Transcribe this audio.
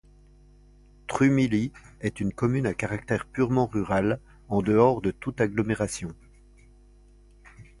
Trumilly est une commune à caractère purement rural, en dehors de toute agglomération.